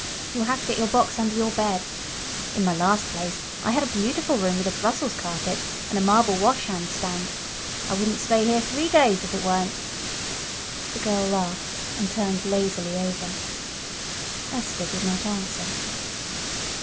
You'll have to get your box under your bed.... In my last place I had a beautiful room with a Brussels carpet, and a marble washstand. I wouldn't stay here three days if it weren't " The girl laughed and turned lazily over. Esther did not answer.